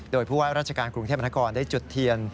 โดยผู้ว่าราชการกรุงเทพมนาคมได้จุดเทียน